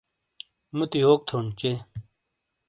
موتی یوک تھون چے۔